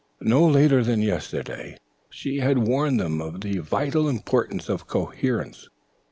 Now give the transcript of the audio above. No later than yesterday she had warned them of the vital importance of coherence.